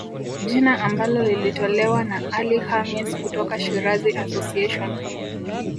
Jina ambalo lilitolewa na Ali Khamis kutoka Shirazi Association